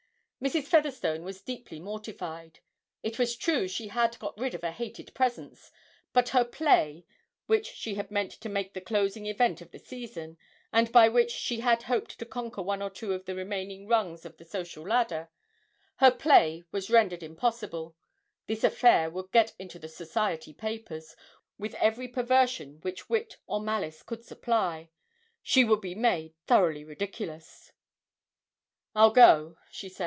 Mrs. Featherstone was deeply mortified. It was true she had got rid of a hated presence, but her play which she had meant to make the closing event of the season, and by which she had hoped to conquer one or two of the remaining rungs of the social ladder her play was rendered impossible; this affair would get into the society papers, with every perversion which wit or malice could supply she would be made thoroughly ridiculous! 'I'll go,' she said.